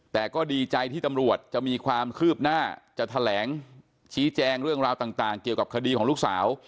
แต่ก็ดีใจที่ตำรวจจะมีความคืบหน้าจะแถลงชี้แจงเรื่องราวต่างเกี่ยวกับคดีของลูกสาว